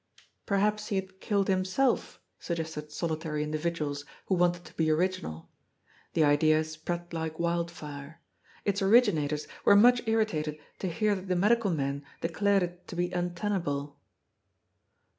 Perhaps he had killed himself ? suggested solitary individ uals, who wanted to be original. The idea spread like wild fire. Its originators were much irritated to hear that the medical men declared it to be untenable.